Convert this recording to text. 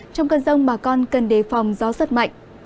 trong cân rông bà con cần để phòng gió rất mạnh